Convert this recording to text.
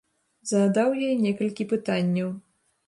Задаў і я некалькі пытанняў.